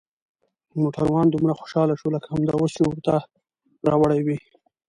موټروان دومره خوشحاله شو لکه همدا اوس چې ورته راوړي وي.